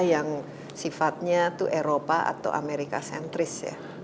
yang sifatnya itu eropa atau amerika sentris ya